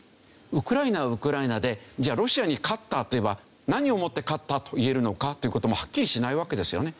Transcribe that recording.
ウクライナはウクライナでじゃあロシアに勝ったといえば何をもって勝ったといえるのかという事もはっきりしないわけですよね。